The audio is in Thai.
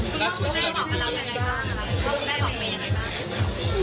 พ่อคุณแม่ภาพไหนบ้าง